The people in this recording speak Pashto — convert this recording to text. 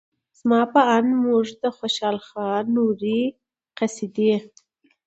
زما په اند موږ د خوشال خان نورې قصیدې